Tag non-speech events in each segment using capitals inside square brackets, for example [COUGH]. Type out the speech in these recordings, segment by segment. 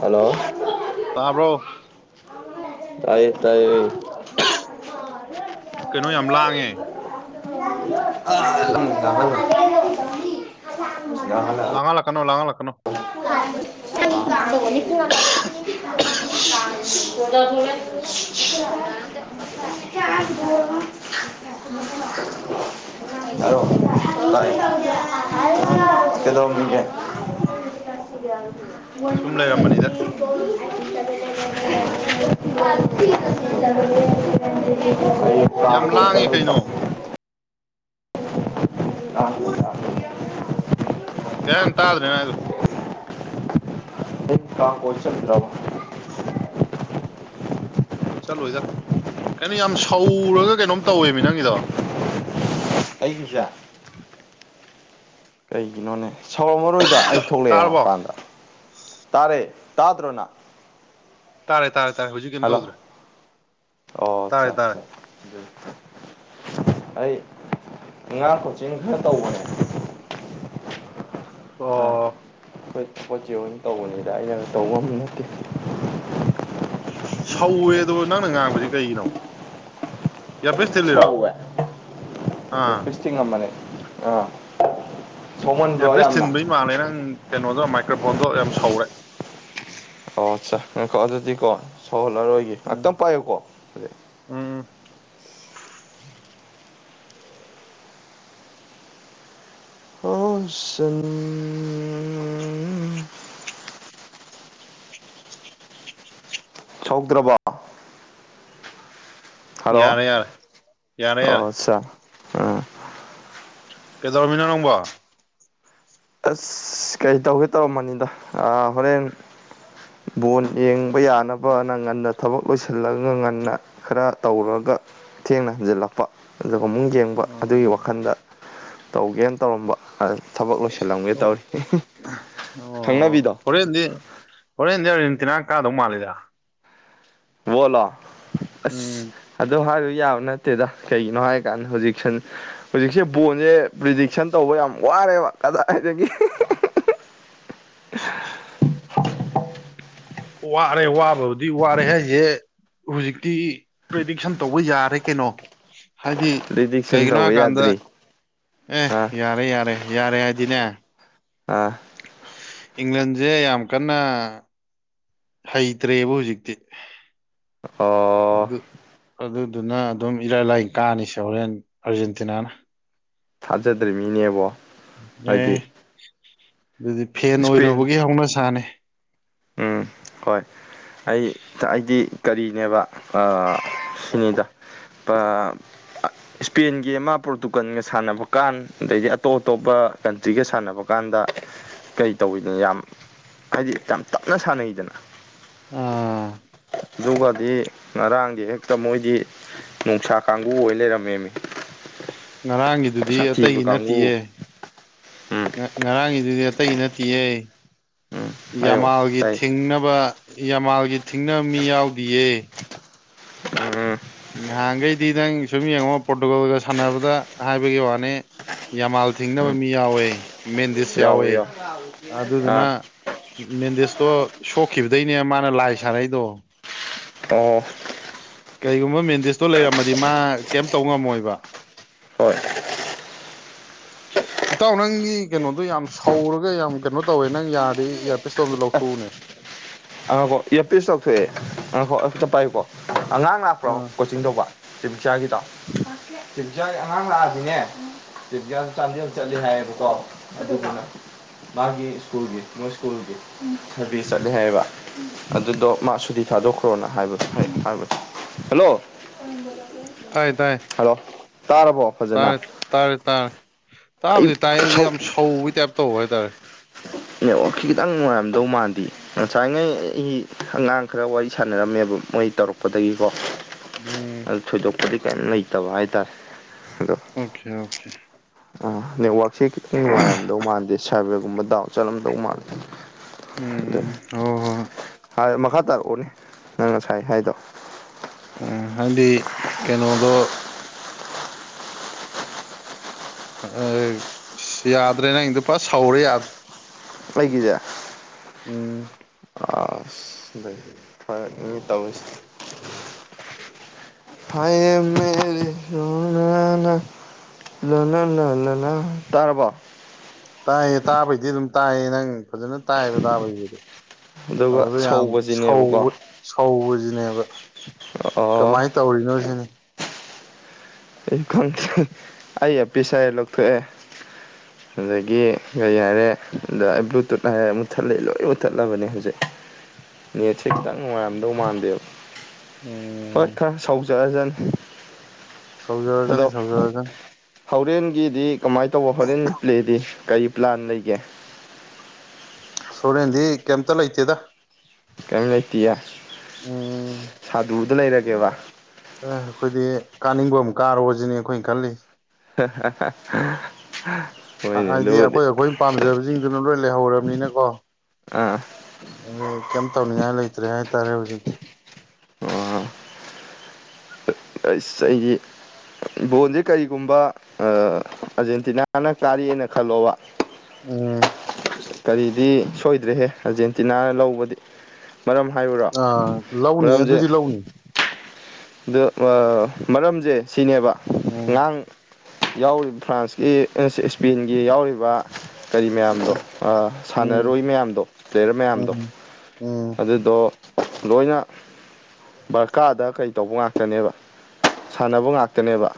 hello ꯇꯥꯔꯕꯣ ꯇꯥꯏꯌꯦ ꯇꯥꯏꯌꯦ [INAUDIBLE] ꯀꯩꯅꯣ ꯌꯥꯝ ꯂꯥꯡꯉꯦ UNINTELLIGIBLE ꯂꯥꯡꯉ ꯂꯥꯛꯀꯅꯣ ꯂꯥꯡ ꯂꯥꯛꯀꯅꯣ UNINTELLIGIBLE [INAUDIBLE] [UNINTELLIGIBLE] ꯍꯥꯏꯔ‌ꯣ ꯇꯥꯏ [UNINTELLIGIBLE] ꯀꯩꯗꯧꯔꯝꯃꯤꯒ‌ꯦ ꯁꯨꯝ ꯂꯩꯔꯝꯕꯅꯤꯗ [UNINTELLIGIBLE] [UNINTELLIGIBLE] ꯌꯥꯝ ꯂꯥꯡꯉꯤ ꯀꯩꯅꯣ [UNINTELLIGIBLE] [UNINTELLIGIBLE] ꯀꯦꯝ ꯇꯥꯗ꯭ꯔꯦ ꯅꯪ ꯍꯥꯏꯗꯨ [INAUDIBLE] ꯆꯠꯂꯣꯏꯗꯥ ꯀꯩꯅꯣ ꯌꯥꯝ ꯁꯧꯔꯒ ꯀꯩꯅꯣꯝ ꯇꯧꯋꯦꯃꯤ ꯅꯪꯒꯤꯗꯣ ꯑꯩꯒꯤꯁꯦ ꯀꯩꯒꯤꯅꯣꯅꯦ ꯁꯥꯎꯔꯝꯃꯔꯣꯏꯗ ꯁꯤꯗ ꯑꯩ ꯊꯣꯛꯂꯛꯑꯦ ꯇꯥꯔꯕꯣ ꯃꯄꯥꯟꯗ ꯇꯥꯔꯦ ꯇꯥꯗ꯭ꯔꯣꯅꯪ ꯇꯥꯔ ꯇꯥꯔ ꯇꯔꯦ ꯍꯜꯂꯣ ꯍꯧꯖꯤꯛꯀꯔꯤꯝꯇꯧꯗ꯭ꯔꯦ ꯑꯣ ꯑꯆꯥ ꯑꯆꯥ ꯑꯩ ꯑꯉꯥꯡ ꯀꯣꯆꯤꯡ ꯈꯔ ꯇꯧꯕꯅꯦ ꯑꯥ ꯑꯣ ꯑꯩꯈꯣꯏ ꯆꯦ ꯑꯣꯏꯅ ꯇꯧꯕꯅꯤꯗ ꯑꯩꯅ ꯇꯧꯕ ꯑꯃ ꯅꯠꯇꯦ ꯁꯧꯋꯦꯗꯣ ꯅꯪꯅ ꯉꯥꯡꯄꯁꯦ ꯀꯩꯒꯤꯅꯣ ꯏꯌꯥꯔꯄꯤꯁ ꯊꯤꯜꯂꯤꯔꯣ ꯁꯧꯋꯦ ꯑꯥ ꯏꯔꯐꯤꯁ ꯊꯤꯡꯉꯝꯕꯅ‌ꯦ ꯑꯥ ꯁꯧꯃꯟꯕ꯭ꯔꯣ ꯏꯌꯥꯔꯕꯤꯁ ꯌꯥꯝꯅ ꯊꯤꯟꯕꯩ ꯃꯥꯜꯂꯦ ꯅꯪ ꯀꯩꯅꯣꯗꯣ ꯃꯥꯏꯀ꯭ꯔꯣꯐꯣꯟꯗꯣ ꯌꯥꯝ ꯁꯧꯔꯦ ꯑꯣ ꯑꯆꯥ ꯉꯥꯏꯈ‌ꯣ ꯑꯗꯨꯗꯤꯀꯣ ꯁꯧꯍꯜꯂꯔꯣꯏꯒꯦ ꯎꯝ ꯉꯥꯛꯇꯪ ꯄꯥꯏꯌꯨꯀꯣ ꯍꯧꯖꯤꯛ ꯎꯝ [UNINTELLIGIBLE] ꯁꯧꯗ꯭ꯔꯕ ꯍꯜꯂꯣ ꯌꯥꯔꯦ ꯌꯥꯔꯦ ꯌꯥꯔꯦ ꯌꯥꯔꯦ ꯑꯣ ꯑꯠꯆꯥ ꯑꯝ ꯀꯩꯗꯧꯔꯝꯃꯤꯅ‌ꯣ ꯅꯪꯕꯣ ꯑꯁ ꯀꯩ ꯇꯧꯒꯦ ꯇꯧꯔꯝꯕꯅꯤꯗ ꯑꯥ ꯍꯣꯔꯦꯟ ꯕꯣꯟ ꯌꯦꯡꯕ ꯌꯥꯅꯕꯅ ꯉꯟꯅ ꯊꯕꯛ ꯂꯣꯏꯁꯤꯜꯂꯒ ꯉꯟꯅ ꯈꯔ ꯇꯧꯔꯨꯔꯒ ꯊꯦꯡꯅ ꯍꯟꯖꯤꯜꯂꯛꯄ ꯑꯗꯨꯒ ꯑꯃꯨ ꯌꯦꯡꯕ ꯑꯗꯨꯒꯤ ꯎꯝ ꯋꯥꯈꯜꯗ ꯇꯧꯒꯦꯅ ꯇꯧꯔꯝꯕ ꯊꯕꯛ ꯊꯤꯜꯂꯝꯒꯦ ꯑꯣ ꯇꯧꯔꯤ ꯈꯪꯅꯕꯤꯗꯣ ꯍ‌ꯣꯔ‌ꯦꯟꯗꯤ ꯍꯣꯔꯦꯟꯗꯤ ꯑꯥꯔꯖ‌ꯦꯟꯇꯤꯅꯥꯅ ꯀꯥꯗꯧ ꯃꯥꯜꯂꯤꯗ ꯕ‌ꯣꯜꯂꯣ ꯎꯝ ꯑꯁ ꯑꯗꯨ ꯍꯥꯏꯔꯨ ꯌꯥꯕ ꯅꯠꯇ ꯇꯦꯗ ꯀꯩꯒꯤꯅꯣ ꯍꯥꯏꯔ ꯀꯥꯟꯗ ꯍꯧꯖꯤꯛꯁꯟ ꯍꯧꯖꯤꯛꯁꯦ ꯕꯣꯟꯁꯦ ꯄ꯭ꯔꯤꯗꯤꯛꯁꯟ ꯇꯧꯕ ꯌꯥꯝ ꯋꯥꯔꯦꯕ ꯀꯗꯥꯏꯗꯒꯤ ꯋꯥꯔꯦ ꯋꯥꯕꯕꯨꯗꯤ ꯋꯥꯔꯦ ꯍꯥꯏꯁꯦ ꯍꯧꯖꯤꯛꯇꯤ ꯄ꯭ꯔꯤꯗꯤꯛꯁꯟ ꯇꯧꯕ ꯌꯥꯔꯦ ꯀꯩꯅꯣ ꯍꯥꯏꯗꯤ ꯄ꯭ꯔꯤꯗꯤꯛꯁꯟ ꯀꯩꯒꯤꯅꯣ ꯇꯧꯕ ꯍꯥꯏꯀꯥꯟꯗ ꯌꯥꯗ꯭ꯔꯤ ꯑꯦ ꯑꯥ ꯌꯥꯔꯦ ꯌꯥꯔꯦ ꯌꯥꯔꯦ ꯍꯥꯏꯗꯤꯅꯦ ꯑꯥ ꯏꯪꯂꯟꯁꯦ ꯌꯥꯝ ꯀꯟꯅ ꯍꯩꯇ꯭ꯔꯦꯕ ꯍꯧꯖꯤꯛꯇꯤ ꯑꯣ ꯑꯗꯨ ꯑꯗꯨꯗꯨꯅ ꯑꯗꯨꯝ ꯏꯔꯥꯏ ꯂꯥꯏ ꯀꯥꯅꯤꯁꯦ ꯍꯣꯔꯦꯟ ꯑꯥꯔꯖꯦꯟꯇꯤꯅꯥꯅ ꯊꯥꯖꯗ꯭ꯔꯤꯃꯤꯅꯦ ꯏꯕꯣ ꯑꯦ ꯑꯗꯨꯗꯤ ꯐꯦꯟ ꯏꯁꯄꯦꯟ ꯑꯣꯏꯔꯨꯕꯒꯤ ꯍꯧꯅ ꯁꯥꯥꯅꯤ ꯎꯝ ꯍꯣꯏ ꯑꯩ ꯑꯩꯗꯤ ꯀꯔꯤꯅꯦꯕ ꯑꯥ ꯁꯤꯅꯤꯗ [UNINTELLIGIBLE] ꯏꯁꯄꯦꯟꯒꯤ ꯑꯃ ꯄꯣꯔꯇꯨꯒꯜꯒ ꯁꯥꯟꯅꯕꯀꯥꯟ ꯑꯗꯩꯗꯤ ꯑꯇꯣꯞ ꯑꯇꯣꯞꯄ ꯀꯟꯇ꯭ꯔꯤꯒ ꯁꯥꯟꯅꯕ ꯀꯥꯟꯗ ꯀꯔꯤ ꯇꯧꯋꯤꯗꯅ ꯌꯥꯝ ꯍꯥꯏꯗꯤ ꯌꯥꯝ ꯇꯞꯅ ꯁꯥꯟꯅꯩꯗꯅ ꯑꯥ ꯑꯗꯨꯒꯗꯤ ꯉꯔꯥꯡꯗꯤ ꯍꯦꯛꯇ ꯃꯣꯏꯗꯤ ꯅ‌ꯣꯡꯁꯥ ꯀꯥꯡꯕꯨ ꯑꯣꯏꯅ ꯂꯩꯔꯝꯃꯦꯃꯤ ꯉꯔꯥꯡꯒꯤꯗꯨꯗꯤ ꯁꯥꯊꯤꯕ ꯑꯇꯩꯒꯤ ꯀꯥꯡꯕꯨ ꯅꯠꯇꯤꯌꯦ ꯎꯝ ꯉꯔꯥꯡꯒꯤꯗꯨꯗꯤ ꯑꯇꯩꯗꯤ ꯅꯠꯇꯤꯌꯦ ꯍꯥꯏꯌꯣ ꯌꯥꯝꯃꯥꯜꯒꯤ ꯇꯥꯏ ꯊꯤꯡꯅꯕ ꯌꯥꯝꯃꯥꯜꯒꯤ ꯊꯤꯡꯅꯕ ꯃꯤ ꯌꯥꯎꯗꯤꯌꯦ ꯑꯥ ꯅꯍꯥꯟꯈꯩꯗꯤ ꯅꯪ ꯁꯨꯝ ꯌꯦꯡꯉꯣ ꯄꯣꯔꯇꯨꯒꯜꯒ ꯁꯥꯟꯅꯕꯗ ꯍꯥꯏꯕꯒꯤ ꯋꯥꯅꯤ ꯌꯥꯃꯥꯜ ꯊꯤꯡꯅꯕ ꯎꯝ ꯃꯤ ꯌꯥꯎꯋꯦ ꯃꯦꯟꯗꯤꯁ ꯌꯥꯎꯋꯦ ꯑꯗꯨꯗꯨꯅ ꯑꯥ ꯃꯦꯟꯗꯤꯁꯇꯣ ꯁꯣꯛꯈꯤꯕꯗꯩꯅꯦ ꯃꯥꯅ ꯂꯥꯏ ꯁꯥꯔꯛꯏꯗꯣ ꯑꯣ ꯀꯩꯒꯨꯝꯕ ꯃꯦꯟꯗꯦꯁꯇꯣ ꯂꯩꯔꯝꯃꯗꯤ ꯃꯥ ꯀꯩꯝ ꯇꯧ ꯉꯝꯃꯣꯏꯕ ꯍꯣꯏ ꯏꯇꯥꯎ ꯅꯪꯒꯤ ꯀꯩꯅꯣꯗꯣ ꯌꯥꯝ ꯁꯧꯔꯒ ꯌꯥꯝ ꯀꯩꯅꯣ ꯇꯧꯋꯦ ꯅꯪ ꯌꯥꯔꯗꯤ ꯏꯌꯥꯔꯄꯤꯁꯇꯣ ꯑꯝꯇ ꯂꯧꯊꯣꯛꯎꯅꯦ ꯑ ꯉꯥꯏꯈꯣ ꯏꯌꯥꯔꯄꯤꯁ ꯂꯧꯊꯣꯛꯑꯦ ꯑ ꯉꯥꯏꯈꯣ ꯑꯝꯇ ꯄꯥꯏꯌꯨꯀꯣ ꯑꯉꯥꯡ ꯂꯥꯛꯄ꯭ꯔꯣ ꯑꯥ ꯀꯣꯆꯤꯡ ꯇꯧꯕ ꯊ‌ꯣꯏꯕꯤꯆꯥꯒꯤꯗꯣ ꯊ‌ꯣꯏꯕꯤꯆꯥꯒꯤ ꯑꯉꯥꯡ ꯂꯥꯛꯑꯗꯤꯅꯦ ꯊ‌ꯣꯏꯕꯤꯆꯥꯗ‌ꯣ ‌ꯆꯥꯟꯗ‌ꯦꯜ ꯆꯠꯂꯤ ꯍꯥꯏꯌꯦꯕꯀꯣ ꯑꯗꯨꯗꯨꯅ ꯃꯥꯒꯤ ꯁ꯭ꯀꯨꯜꯒꯤ ꯃꯣꯏ ꯁ꯭ꯀꯨꯜꯒꯤ ꯁ꯭ꯔꯕ‌ꯦ ꯆꯠꯂꯦ ꯍꯥꯏꯕ ꯑꯗꯨꯗꯣ ꯃꯥ ꯁꯨꯇꯤ ꯊꯥꯗꯣꯛꯈ꯭ꯔꯣꯅ ꯍꯥꯏꯕ ꯍꯥꯏꯕ ꯍꯜꯂꯣ [UNINTELLIGIBLE] ꯇꯥꯏ ꯇꯥꯏ ꯍꯜꯂꯣ ꯇꯥꯔꯕꯣ ꯐꯖꯅ ꯇꯥꯔꯦ ꯇꯥꯔꯦ ꯇꯥꯔꯦ ꯑꯩ ꯇꯥꯕꯨꯗꯤ ꯇꯥꯏ ꯑꯗꯨ ꯁꯧ ꯌꯥꯝ ꯁꯧꯕꯒꯤ ꯇꯥꯏꯞ ꯇꯧꯕ ꯍꯥꯏꯇꯥꯔꯦ ꯅꯦꯠꯋꯥꯛ ꯈꯤꯇꯪ ꯅꯨꯉꯥꯏꯔꯝꯗꯧ ꯃꯥꯥꯟꯗꯤ ꯉꯁꯥꯏꯉꯩ ꯑꯩ ꯑꯉꯥꯡ ꯈꯔ ꯋꯥꯔꯤ ꯁꯥꯟꯅꯔꯝꯃꯦꯕ ꯃꯣꯏ ꯇꯧꯔꯛꯄꯗꯒꯤꯀꯣ ꯎꯝ ꯑꯗꯨ ꯊꯣꯏꯗꯣꯛꯄꯗꯤ ꯀꯔꯤꯝ ꯂꯩꯇꯕ ꯍꯥꯏꯇꯥꯔꯦ ꯑꯗꯣ ꯑꯣꯈꯦ ꯑꯣꯈꯦ ꯑ ꯅꯦꯠꯋꯥꯛꯁꯦ ꯈꯤꯇꯪ ꯅꯨꯡꯉꯥꯏꯔꯝꯗꯧ ꯃꯥꯟꯗꯦ ꯁꯥꯏꯕꯔꯒꯨꯝꯕ ꯗꯥꯎꯟ ꯆꯠꯂꯝꯗꯧ ꯃꯥꯥꯟꯂꯦ ꯎꯝ ꯍꯣ ꯍꯣ ꯃꯈꯥ ꯇꯥꯔꯛꯑꯣꯅꯦ ꯅꯪ ꯉꯁꯥꯏ ꯍꯥꯏꯗꯣ ꯎ ꯍꯥꯏꯗꯤ ꯀꯩꯅꯣꯗꯣ ꯑꯁ ꯌꯥꯗ꯭ꯔꯦ ꯅꯪꯒꯤꯗꯨ ꯐꯥ ꯁꯧꯔꯦ ꯌꯥꯗ꯭ꯔꯦ ꯑꯩꯒꯤꯖꯦ ꯎꯝ ꯑꯁ ꯂꯩ ꯐꯔꯛꯅꯦ ꯇꯧꯁꯦ ꯐꯥꯏꯌꯦ ꯃꯦ ꯂꯣꯏꯅꯅꯥ ꯂꯣꯏꯅꯅ ꯂꯣꯏꯅꯅ ꯇꯥꯔꯕꯣ ꯇꯥꯏꯌꯦ ꯇꯥꯕꯩꯗꯤ ꯑꯗꯨꯝ ꯇꯥꯏꯌꯦ ꯅꯪ ꯐꯖꯅ ꯇꯥꯏꯌꯦꯕ ꯇꯥꯕꯩꯗꯨꯗꯤ ꯑꯗꯨꯒ ꯑꯗꯨꯗ ꯌꯥꯝ ꯁꯧꯕꯁꯤꯅꯦꯕꯀꯣ ꯁꯧꯕ ꯁꯧꯕꯁꯤꯅꯦꯕ ꯑꯣ ꯀꯃꯥꯏꯅ ꯇꯧꯔꯤꯅꯣ ꯁꯤꯅꯤ ꯑꯩ ꯈꯪꯗꯦ ꯑꯩ ꯌꯔꯄꯤꯁꯁꯦ ꯂꯧꯊꯣꯛꯑꯦ ꯑꯗꯒꯤ ꯀꯩ ꯍꯥꯏꯔꯦ ꯑꯗ ꯕ꯭ꯂꯨꯇꯨꯠ ꯍꯥꯏꯔꯦ ꯃꯨꯠꯊꯠꯂꯦ ꯂꯣꯏ ꯃꯨꯠꯊꯠꯂꯕꯅꯦ ꯍꯧꯖꯤꯛ ꯅꯦꯠꯁꯦ ꯈꯤꯇꯪ ꯅꯨꯡꯉꯥꯏꯔꯝꯗꯧ ꯃꯥꯟꯗꯦ ꯍꯣꯏ ꯎꯝ ꯈꯔ ꯁꯥꯎꯖꯔꯖꯅꯤ ꯍꯜꯂꯣ ꯁꯧꯖꯔꯖꯅꯤ ꯁꯧꯖꯔꯖꯅꯤ ꯍꯧꯔꯦꯟꯒꯤꯗꯤ ꯀꯃꯥꯏꯅ ꯇꯧꯕ ꯍꯣꯔꯦꯟ ꯄ꯭ꯂꯦꯗꯤ ꯀꯔꯤ ꯄ꯭ꯂꯥꯟ ꯂꯩꯒꯦ ꯁꯣꯔꯦꯟꯗꯤ ꯀꯩꯝꯇ ꯂꯩꯇꯦꯗ ꯀꯔꯤꯝ ꯂꯩꯇꯤꯌꯦ ꯎꯝ ꯁꯥꯗꯨꯗ ꯂꯩꯔꯒꯦꯕ ꯑ ꯑꯩꯈꯣꯏꯗꯤ ꯀꯥꯅꯤꯡꯕ ꯑꯃ ꯀꯥꯔꯣꯁꯤꯅꯤ ꯑꯩꯈꯣꯏꯅ ꯈꯜꯂꯤ [UNINTELLIGIBLE] ꯍꯣꯏꯅꯦ ꯍꯥꯏꯗꯤ ꯑꯗꯨꯕꯨꯗꯤ ꯑꯩꯈꯣꯏ ꯑꯩꯈꯣꯏ ꯄꯥꯝꯖꯕꯁꯤꯡꯗꯨꯅ ꯂꯣꯏ ꯂꯩꯍꯧꯔꯝꯅꯤꯅ ꯀꯣ ꯑꯥ ꯀꯩꯝ ꯇꯧꯅꯤꯡꯉꯥꯏ ꯂꯩꯇ꯭ꯔꯦ ꯍꯥꯏꯇꯥꯔꯦ ꯍꯧꯖꯤꯛꯇꯤ ꯑꯣ ꯑꯁ ꯑꯩꯒꯤ ꯕꯣꯟꯁꯦ ꯀꯔꯤꯒꯨꯝꯕ ꯑꯥꯔꯖꯦꯟꯇꯤꯅꯥꯅ ꯀꯥꯔꯤꯑꯦꯅ ꯈꯜꯂꯣꯕ [INAUDIBLE] ꯀꯔꯤꯗꯤ ꯁꯣꯏꯗ꯭ꯔꯦꯍꯦ ꯑꯔꯖꯦꯟꯇꯤꯅꯥꯅ ꯂꯧꯕꯗꯤ ꯃꯔꯝ ꯍꯥꯏꯌꯨꯔꯣ ꯑꯥ ꯂꯧꯅꯤ ꯃꯔꯝꯖ‌ꯦ ꯑꯗꯨꯗꯤ ꯂꯧꯅꯤ ꯗ‌ꯣ ꯃꯔꯝꯗ‌ꯣ ꯁꯤꯅꯦꯕ ꯎꯝ ꯉꯥꯡ ꯌꯥꯎꯔꯤꯕ ꯐ꯭ꯔꯥꯟꯁꯀꯤ ꯑꯦꯁ ꯏꯁꯄꯦꯟꯒꯤ ꯌꯥꯎꯔꯤꯕ ꯀꯔꯤ ꯃꯌꯥꯝꯗꯣ ꯑꯥ ꯎꯝ ꯁꯥꯟꯅꯔꯣꯏ ꯃꯌꯥꯝꯗꯣ ꯄ꯭ꯂꯦꯌꯔ ꯃꯌꯥꯝꯗꯣ ꯎꯝ ꯎꯝ ꯑꯗꯨꯗꯣ ꯂꯣꯏꯅ ꯕꯔꯀꯥꯗ ꯀꯩ ꯇꯧꯕ ꯉꯥꯛꯇꯅꯦꯕ ꯁꯥꯟꯅꯕ ꯉꯥꯛꯇꯅꯦꯕ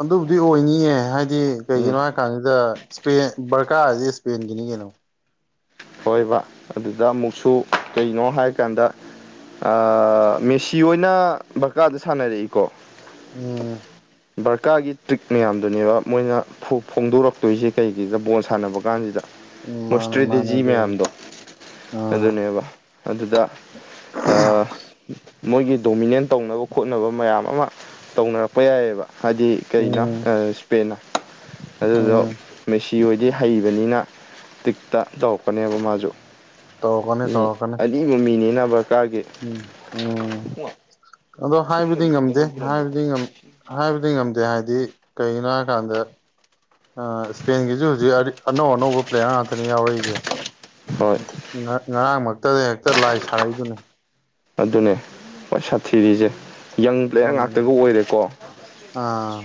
ꯑꯗꯨꯕꯨꯗꯤ ꯑꯣꯏꯅꯤꯌꯦ ꯍꯥꯏꯗꯤ ꯎꯝ ꯀꯩꯒꯤꯅꯣ ꯍꯥꯏ ꯀꯥꯟꯁꯤꯗ ꯁꯄꯦꯟ ꯕꯔꯀꯥꯔ ꯍꯥꯏꯖꯤ ꯁꯄꯦꯟꯒꯤꯅꯤ ꯀꯩꯅꯣ ꯍꯣꯏꯕ ꯑꯗꯨꯗ ꯑꯃꯨꯛꯁꯨ ꯀꯩꯅꯣ ꯍꯥꯏꯀꯥꯟꯗ ꯑꯥ ꯃꯦꯁꯤ ꯍꯣꯏꯅ ꯕꯔꯀꯥꯗ ꯁꯥꯟꯅꯔꯛꯏꯀꯣ ꯎꯝ ꯕꯔꯀꯥꯔꯒꯤ ꯇ꯭ꯔꯤꯛ ꯃꯌꯥꯝꯗꯨꯅꯦꯕ ꯃꯣꯏꯅ ꯐ‌ꯣ ꯐꯣꯡꯗꯣꯔꯛꯇꯣꯏꯁꯤ ꯀꯩꯒꯤꯅ‌ꯣ ꯕꯣꯜ ꯁꯥꯟꯅꯕ ꯀꯥꯟꯁꯤꯗ ꯎꯝ ꯃꯣꯏ ꯃꯥꯅꯦ ꯃꯥꯅꯦ ꯏꯁꯇ꯭ꯔꯦꯇꯦꯖꯤ ꯑꯗꯨ ꯃꯌꯥꯝꯗꯣ ꯑꯥ ꯑꯗꯨꯅꯦꯕ ꯑꯗꯨꯗ ꯑꯥ ꯃꯣꯏꯒꯤ ꯗꯣꯃꯤꯅꯦꯟ ꯇꯧꯅꯕ ꯈ‌‌ꯣꯠꯅꯕ ꯃꯌꯥꯝ ꯑꯃ ꯇꯧꯅꯔꯛꯄ ꯌꯥꯏꯕ ꯍꯥꯏꯗꯤ ꯀꯩꯅ‌ꯣ ꯎꯝ ꯏꯁꯄꯦꯟꯅ ꯑꯗꯨꯗ ꯎꯝ ꯃꯦꯁꯤ ꯍ‌ꯣꯏꯗꯤ ꯍꯩꯕꯅꯤꯅ ꯇꯤꯛꯇ ꯇꯧꯔꯛꯀꯅꯦꯕ ꯃꯥꯁꯨ ꯇꯧꯔꯛꯀꯅꯤ ꯇꯧꯔꯛꯀꯅꯤ ꯃꯤ [UNINTELLIGIBLE] ꯃꯤꯅꯤꯅ ꯕꯔꯀꯥꯒꯤ ꯎꯝ ꯎꯝ ꯑꯗꯣ ꯍꯥꯏꯕꯗꯤ ꯉꯝꯗꯦ ꯍꯥꯏꯕꯗꯤ ꯍꯥꯏꯕꯗꯤ ꯉꯝꯗꯦ ꯍꯥꯏꯗꯤ ꯀꯩꯒꯤꯅꯣ ꯍꯥꯏ ꯀꯥꯟꯗ ꯏꯁꯄꯦꯟꯒꯤꯁꯨ ꯍꯧꯖꯤꯛ ꯑꯔꯤ ꯑꯅꯧ ꯑꯅꯧꯕ ꯄ꯭ꯂꯦꯌꯥꯔ ꯉꯥꯛꯇꯅꯦ ꯌꯥꯎꯔꯛꯏꯁꯦ ꯍꯣꯏ ꯉ ꯉꯔꯥꯡꯃꯛꯇꯗ ꯍꯦꯛꯇ ꯂꯥꯏ ꯁꯥꯔꯛꯏꯗꯨꯅꯤ ꯑꯗꯨꯅꯦ ꯈ꯭ꯋꯥꯏ ꯁꯥꯊꯤꯔꯤꯁꯦ ꯌꯪ ꯄ꯭ꯂꯦꯌꯔ ꯎꯝ ꯉꯥꯛꯇꯒ ꯑꯣꯏꯔꯦꯀꯣ ꯑꯥ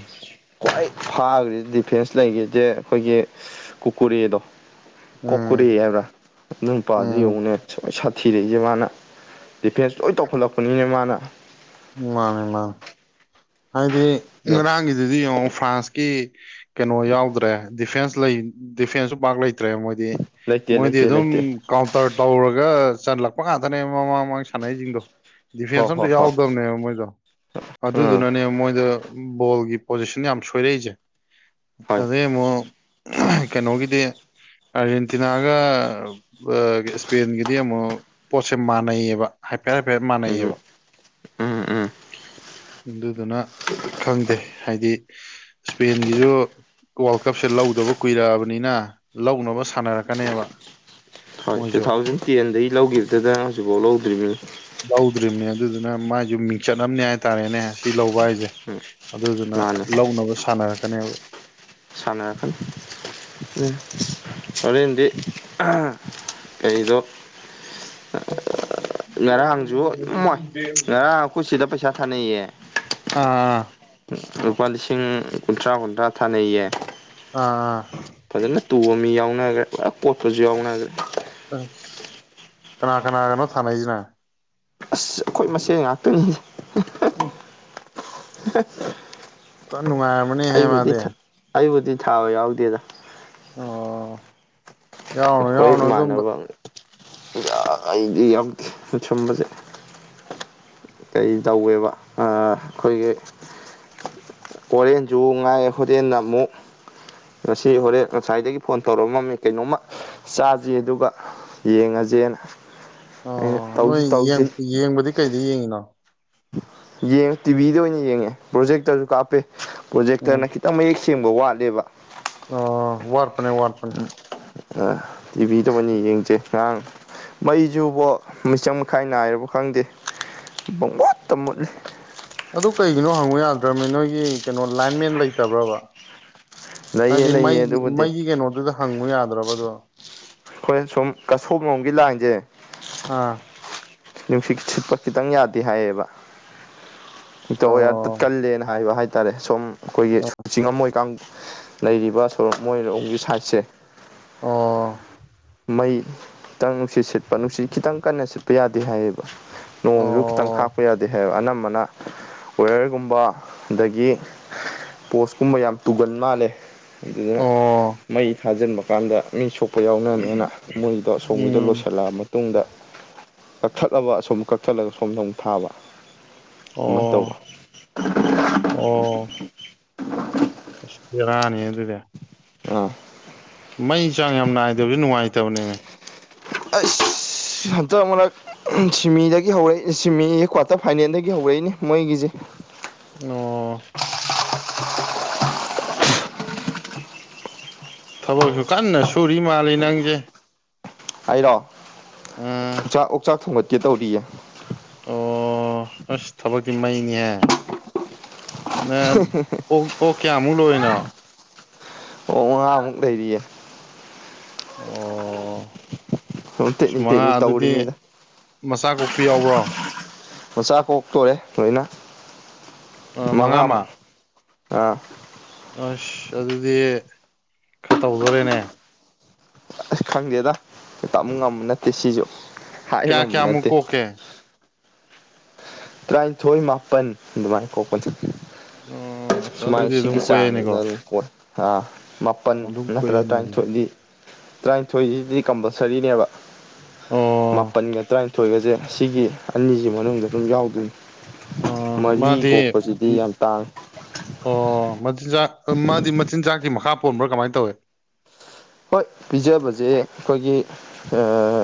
ꯈ꯭ꯋꯥꯏ ꯐꯥꯈ꯭ꯔꯤꯁ‌ꯦ ꯗꯤꯐꯦꯟꯁ ꯂꯩꯈꯤꯖ‌ꯦ ꯑꯩꯈꯣꯏꯒꯤ ꯀꯨꯀꯨꯔ‌ꯦꯗꯣ ꯀꯣꯀꯨꯔ‌ꯦ ꯎꯝ ꯍꯥꯏꯕ꯭ꯔꯥ ꯑꯗꯨ ꯅꯨꯄꯥꯗꯨ ꯎꯝ ꯌ‌ꯦꯡꯉꯨꯅꯦ ꯈ꯭ꯋꯥꯏ ꯁꯥꯊꯤꯔꯛꯏꯁꯦ ꯃꯥꯅ ꯗꯤꯐꯦꯟꯁ ꯂꯣꯏ ꯇꯧꯈꯠꯂꯛꯄꯅꯤꯅꯦ ꯃꯥꯅ ꯃꯥꯅꯦ ꯃꯥꯅꯦ ꯍꯥꯏꯗꯤ ꯑꯗꯨ ꯉꯔꯥꯡꯒꯤ ꯗꯨꯗꯤ ꯌꯦꯡꯉꯣ ꯐ꯭ꯔꯥꯟꯁꯀꯤ ꯀꯩꯅꯣ ꯌꯥꯎꯗ꯭ꯔꯦ ꯗꯤꯐꯦꯟꯁ ꯂꯩ ꯗꯤꯐꯦꯟꯁꯁꯨ ꯄꯥꯛ ꯂꯩꯇ ꯇ‌꯭ꯔꯦ ꯃꯣꯏꯗꯤ ꯂꯩꯇꯦ ꯃꯣꯏꯗꯤ ꯂꯩꯇꯦ ꯑꯗꯨꯝ ꯂꯩꯇꯦ ꯀꯥꯎꯟꯇꯔ ꯇꯧꯔꯒ ꯆꯜꯂꯛꯄ ꯉꯥꯛꯇꯅꯦꯕ ꯃꯃꯥꯡ ꯃꯃꯥꯡ ꯁꯥꯟꯅꯩꯁꯤꯡꯗꯣ ꯍꯣ ꯗꯤꯐꯦꯟꯁ ꯍꯣ ꯑꯝꯇ ꯍꯣ ꯌꯥꯎꯗꯕꯅꯦꯕ ꯃꯣꯏꯗꯣ ꯑꯗꯨꯗꯨ ꯎꯝ ꯃꯣꯏꯗ ꯕꯣꯜꯒꯤ ꯄꯣꯖꯤꯁꯟ ꯌꯥꯝ ꯁꯣꯏꯔꯛꯏꯁꯦ ꯍꯣꯏ ꯑꯗꯩ ꯑꯃꯨꯛ ꯀꯩꯅꯣꯒꯤꯗꯤ ꯑꯥꯔꯖꯦꯟꯇꯤꯅꯥꯒ ꯏꯁꯄꯦꯟꯒꯤꯗꯤ ꯑꯃꯨꯛ ꯄꯣꯠꯁꯦ ꯃꯥꯟꯅꯩꯌꯦꯕ ꯍꯥꯏꯐꯦꯠ ꯍꯥꯏꯐꯦꯠ ꯑꯗꯨꯝ ꯃꯥꯟꯅꯩꯌꯦꯕ ꯎꯝ ꯎꯝ ꯑꯗꯨꯗꯨꯅ ꯈꯪꯗꯦ ꯍꯥꯏꯗꯤ ꯏꯁꯄꯦꯟꯒꯤꯁꯨ ꯋꯥꯔꯜ ꯀꯞꯁꯦ ꯂꯧꯗꯕ ꯀꯨꯏꯔꯛꯑꯕꯅꯤꯅ ꯂꯧꯅꯕ ꯁꯥꯟꯅꯔꯛꯀꯅꯦꯕ ꯍꯣꯏ ꯇꯨ ꯃꯣꯏꯁꯨ ꯊꯥꯎꯖꯟ ꯇꯦꯟꯗꯒꯤ ꯂꯧꯈꯤꯕꯗꯨꯗ ꯍꯧꯖꯤꯛꯐꯥꯎ ꯂꯧꯗ꯭ꯔꯤꯝꯅꯤ ꯂꯧꯗ꯭ꯔꯤꯝꯅꯦ ꯑꯗꯨꯗꯨꯅ ꯃꯥꯏꯁꯨ ꯃꯤꯡꯆꯠ ꯑꯃꯅꯦ ꯍꯥꯏꯇꯥꯔꯦꯅꯦ ꯁꯤ ꯂꯧꯕ ꯍꯥꯏꯖ‌ꯦ ꯎꯝ ꯑꯗꯨꯗꯨꯅ ꯃꯥꯅ ꯂꯧꯅꯕ ꯁꯥꯟꯅꯔꯛꯀꯅꯦꯕ ꯁꯥꯟꯅꯔꯛꯀꯅꯤ ꯑꯝ ꯍ‌ꯣꯔ‌ꯦꯟꯗꯤ ꯑ ꯀꯔꯤꯗꯣ ꯉꯔꯥꯡꯁꯨ ꯏꯝꯃꯥꯏ ꯉꯔꯥꯡ ꯑꯈ‌ꯣꯏ ꯁꯤꯗ ꯄꯩꯁꯥ ꯊꯥꯅꯩꯌꯦ ꯊꯥ ꯂꯨꯄꯥ ꯂꯤꯁꯤꯡ ꯀꯨꯟꯊ꯭ꯔꯥ ꯀꯨꯟꯊ꯭ꯔꯥ ꯊꯥꯅꯩꯌꯦ ꯑꯥ ꯐꯖꯅ ꯇꯨꯕ ꯃꯤ ꯌꯥꯎꯅꯈ꯭ꯔꯦ ꯄꯨꯔꯥ ꯀꯣꯠꯄꯁꯨ ꯌꯥꯎꯅꯈ꯭ꯔꯦ ꯑꯁ ꯀꯅꯥ ꯀꯅꯥꯒꯅꯣ ꯊꯥꯅꯩꯁꯤꯅ ꯑꯁ ꯑꯩꯈꯣꯏ ꯃꯁꯦꯟ ꯉꯥꯛꯇꯅꯤꯍ‌ꯦ [UNINTELLIGIBLE] [UNINTELLIGIBLE] ꯐꯖ ꯅꯨꯡꯉꯥꯏꯔꯝꯃꯅꯤꯍ‌ꯦ ꯑꯩꯕꯨꯗꯤ ꯃꯥꯗꯤ ꯑꯩꯕꯨꯗꯤ ꯊꯥꯕ ꯌꯥꯎꯗꯦꯗ ꯑꯣ ꯌꯥꯎꯅ‌ꯣ ꯌꯥꯎꯅ‌ꯣ ꯑꯗꯨꯝꯕ ꯑꯥ ꯑꯩꯗꯤ ꯌꯥꯎꯗ‌ꯦ ꯁꯨꯝꯕꯁꯦ ꯀꯩ ꯇꯧꯋꯦꯕ ꯑꯥ ꯑꯩꯈꯣꯏꯒꯤ ‌ꯍ‌ꯣꯔꯦꯟꯁꯨ ꯉꯥꯏ ꯍꯣꯔꯦꯟꯅ ꯑꯃꯨꯛ ꯉꯁꯤ ꯍꯣꯔꯦꯟ ꯉꯁꯥꯏꯗꯒꯤ ꯐꯣꯟ ꯇꯧꯔꯛꯑꯝꯃꯤ ꯀꯩꯅꯣꯝꯃ ꯆꯥꯖꯤ ꯑꯗꯨꯒ ꯌꯦꯡꯉꯖ‌ꯦꯅ ꯑꯣ ꯅꯣꯏ ꯌ‌ꯦꯡ ꯌꯦꯡꯕꯗꯤ ꯀꯩꯗ ꯌꯦꯡꯉꯤꯅꯣ ꯌꯦꯡꯉ ꯇꯤꯚꯤꯗ ꯑꯣꯏꯅ ꯌꯦꯡꯉꯦ ꯄ꯭ꯔꯣꯖꯦꯛꯇꯔꯁꯨ ꯀꯥꯞꯄꯦ ꯎꯝ ꯄ꯭ꯔꯣꯖꯦꯛꯇꯔꯅ ꯈꯤꯇꯪ ꯃꯌꯦꯛ ꯁꯦꯡꯕ ꯋꯥꯠꯂꯦꯕ ꯑꯣ ꯋꯥꯠꯄꯅꯦ ꯋꯥꯠꯄꯅꯦ ꯑ ꯇꯤꯚꯤꯗ ꯑ‌ꯣꯏꯅ ꯌꯦꯡꯖ‌ꯦ ꯉꯔꯥꯡ ꯃꯩꯁꯨꯨꯕꯣ ꯃꯤꯆꯪ ꯃꯈꯥꯏ ꯅꯥꯏꯔꯕ ꯈꯪꯗꯦ ꯄꯪꯃꯨꯠꯇ ꯃꯨꯠꯂꯤ ꯑꯗꯨ ꯀꯩꯒꯤꯅꯣ ꯍꯪꯕ ꯌꯥꯗ꯭ꯔꯃ‌ꯦ ꯅꯣꯏꯒꯤ ꯀꯩꯅꯣ ꯂꯥꯏꯟꯃꯦꯟ ꯂꯩꯇꯕ꯭ꯔꯕ ꯂꯩꯌꯦ ꯍꯥꯏꯗꯤ ꯂꯩꯌꯦ ꯃꯩꯒꯤ ꯑꯗꯨꯕꯨꯗꯤ ꯃꯩꯒꯤ ꯀꯩꯅꯣꯗꯨꯗ ꯍꯪꯉꯨ ꯌꯥꯗ꯭ꯔꯕꯗꯣ ꯑꯩꯈꯣꯏ ꯁꯨꯝ ꯀꯁꯣꯝ ꯂꯣꯝꯒꯤ ꯂꯥꯏꯟꯁꯦ ꯑꯥ ꯅꯨꯡꯁꯤꯠ ꯁꯤꯠꯄ ꯈꯤꯇꯪ ꯌꯥꯗꯦ ꯍꯥꯏꯌꯦꯕ ꯍ‌ꯦꯛꯇ ꯋꯥꯏꯌꯥꯔ ꯇꯠ ꯑꯣ ꯀꯜꯂꯦꯅ ꯍꯥꯏꯕ ꯍꯥꯏ ꯇꯥꯔꯦ ꯁꯣꯝ ꯑꯩꯈꯣꯏꯒꯤ ꯆꯤꯡꯉꯝꯃꯣꯏ ꯀꯥꯡ ꯂꯩꯔꯤꯕ ꯁꯣꯔ‌ꯣꯛ ꯃꯣꯏꯔꯣꯝꯒꯤ ꯁꯥꯏꯠꯁꯦ ꯑꯣ ꯃꯩ ꯇꯪ ꯅꯨꯡꯁꯤꯠ ꯁꯤꯠꯄ ꯅꯨꯡꯁꯤꯠ ꯈꯤꯇꯪ ꯀꯟꯅ ꯁꯤꯠꯄ ꯌꯥꯗꯦ ꯍꯥꯏꯌꯦꯕ ꯅꯣꯡꯖꯨ ꯈꯤꯇꯪ ꯑꯣ ꯈꯥꯛꯄ ꯌꯥꯗꯦ ꯍꯥꯏꯕ ꯑꯅꯝꯕꯅ ꯋꯦꯌꯔꯒꯨꯝꯕ ꯑꯗꯒꯤ ꯄꯣꯁꯀꯨꯝꯕ ꯌꯥꯝ ꯇꯨꯒꯟ ꯃꯥꯜꯂꯦ ꯑꯗꯨꯗꯨꯅ ꯑꯣ ꯃꯩ ꯊꯥꯖꯤꯟꯕ ꯀꯥꯟꯗ ꯃꯤ ꯁꯣꯛꯄ ꯌꯥꯎ ꯅꯤꯅ ꯃꯣꯏꯗꯣ ꯁꯣꯝꯒꯤꯗꯣ ꯎꯝ ꯂꯣꯏꯁꯤꯜꯂꯛꯑ ꯃ ꯇꯨꯡꯗ ꯀꯛꯊꯠꯂꯕ ꯑꯁꯨꯝ ꯀꯛꯊꯠꯂꯒ ꯁꯣꯝꯗ ꯃꯨꯛ ꯊꯥꯕ ꯑꯗꯨꯃꯥꯏꯅ ꯇꯧꯕ ꯑꯣ ꯑꯣ ꯕ‌ꯦꯔꯥꯅꯤ ꯑꯗꯨꯗꯤ ꯑꯥ ꯃꯩ ꯆꯥꯡ ꯌꯥꯝ ꯅꯥꯏꯗꯕꯁꯨ ꯅꯨꯡꯉꯥꯏꯇꯕꯅꯦꯃꯦ ꯑꯩꯁ ꯍꯟꯇꯛ ꯃꯔꯛ ꯁꯤꯃꯤꯗꯒꯤ ꯍꯧꯔꯛꯏ ꯑꯥ ꯁꯤꯃꯤ ꯑꯦ ꯀ꯭ꯋꯥꯇꯔ ꯐꯥꯏꯅꯦꯜꯗꯒꯤ ꯍꯧꯔꯛꯏꯅꯦ ꯃꯣꯏꯒꯤꯁꯦ ꯑꯣ ꯊꯕꯛꯁꯨ ꯀꯟꯅ ꯁꯨꯔꯤ ꯃꯥꯜꯂꯤ ꯅꯪꯁꯦ ꯑꯩꯔꯣ ꯑꯥ ꯆꯥꯛ ꯑꯣꯛꯆꯥꯛ ꯊꯣꯡꯒꯠꯀꯦ ꯇꯧꯔꯤꯌꯦ ꯑꯣ ꯑꯁ ꯊꯕꯛꯇꯤ ꯃꯩꯅꯤꯍ‌ꯦ ꯅꯪ ꯑꯣꯛ ꯑꯣꯛ ꯀꯌꯥꯃꯨꯛ ꯂꯣꯏꯔꯤꯅꯣ ꯑꯣꯛ ꯃꯉꯥꯃꯨꯛ ꯂꯩꯔꯤꯌꯦ ꯑꯣ ꯁꯨꯝ ꯑꯁ ꯇꯦꯛꯅꯤꯛ ꯃꯉꯥ ꯇꯦꯛꯅꯤꯛ ꯑꯗꯨꯗꯤ ꯇꯧꯔꯤꯃꯤꯗ ꯃꯆꯥ ꯀꯣꯛꯄꯤ ꯌꯥꯎꯕ꯭ꯔꯣ ꯃꯆꯥ ꯀꯣꯛꯇꯣꯔꯦ ꯂꯣꯏꯅ ꯑ ꯃꯉꯥꯃ ꯃꯉꯥꯃꯨꯛ ꯑꯥ ꯑꯁ ꯑꯗꯨꯗꯤ ꯈꯔ ꯇꯧꯗꯣꯔꯦꯅꯦ ꯑꯁ ꯈꯪꯗꯦꯗ ꯇꯝ ꯉꯝꯕ ꯅꯠꯇꯦ ꯁꯤꯁꯨ ꯍꯥꯏꯕ ꯀꯌꯥ ꯉꯝꯕ ꯀꯌꯥꯃꯨꯛ ꯅꯠꯇꯦ ꯀꯣꯛꯀꯦ ꯇꯔꯥꯅꯤꯊꯣꯏ ꯃꯥꯄꯟ ꯑꯗꯨꯃꯥꯏ ꯀꯣꯛꯄꯅꯤ ꯑꯣ ꯑꯁ ꯁꯨꯃꯥꯏꯅ ꯑꯗꯨꯗꯤ ꯑꯗꯨꯝ ꯁꯤꯒꯤ ꯆꯥꯡꯁꯤꯗ ꯀꯣꯛꯑꯦꯅꯦꯀꯣ ꯑꯗꯨꯝ ꯀꯣꯏ ꯑ ꯃꯥꯄꯟ ꯑꯗꯨꯝ ꯅꯠꯇ꯭ꯔꯒ ꯀꯣꯛꯑꯦꯅꯦ ꯑꯗꯨꯗꯤ ꯇꯔꯥꯅꯤꯊꯣꯏꯗꯤ ꯇꯔꯥꯅꯤꯊꯣꯏꯁꯤꯗꯤ ꯀꯝꯄꯜꯁꯔꯤꯅꯦꯕ ꯑꯣ ꯃꯥꯄꯟꯒ ꯇꯔꯥꯅꯤꯊꯣꯏꯒꯁꯦ ꯑꯁꯤꯒꯤ ꯑꯅꯤꯁꯤ ꯃꯅꯨꯡꯗ ꯑꯗꯨꯝ ꯌꯥꯎꯗꯣꯏꯅꯤ ꯑꯣ ꯃꯔꯤ ꯃꯥꯗꯤ ꯀꯣꯛꯄꯁꯤꯗꯤ ꯌꯥꯝ ꯇꯥꯡꯉ ꯑꯣ ꯃꯆꯤꯟꯖꯥꯛ ꯃꯥꯗꯤ ꯃꯆꯤꯟꯖꯥꯛꯀꯤ ꯃꯈꯥ ꯄꯣꯟꯕ꯭ꯔꯥ ꯀꯃꯥꯏꯅ ꯇꯧꯋꯤ ꯍꯣꯏ ꯄꯤꯖꯕꯁꯦ ꯑꯩꯈꯣꯏꯒꯤ ꯑꯥ